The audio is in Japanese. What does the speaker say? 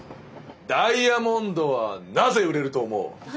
ダイヤモンドはなぜ売れると思う？